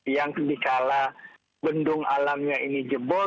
yang dikala bendung alamnya ini jebol